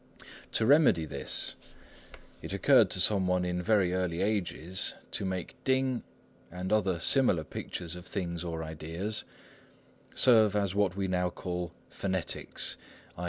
To remedy this, it occurred to some one in very early ages to make 丁, and other similar pictures of things or ideas, serve as what we now call Phonetics, _i.